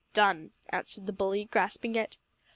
"Done!" answered the bully, grasping it.